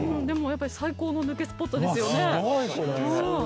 でもやっぱり最高の抜けスポットですよね。